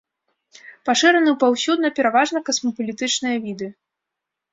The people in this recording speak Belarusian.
Пашыраны паўсюдна, пераважна касмапалітычныя віды.